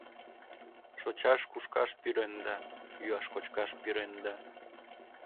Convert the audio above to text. Шочаш-кушкаш пӱренда, йӱаш-кочкаш пӱренда...